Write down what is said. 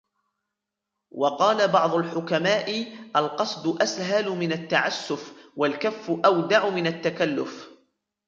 وَقَالَ بَعْضُ الْحُكَمَاءِ الْقَصْدُ أَسْهَلُ مِنْ التَّعَسُّفِ ، وَالْكَفُّ أَوْدَعُ مِنْ التَّكَلُّفِ